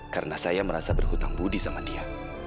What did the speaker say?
karena saya merasa berhutang budi sama dia